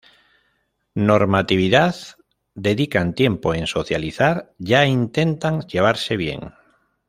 Normatividad: dedican tiempo en socializar, ya intentan llevarse bien.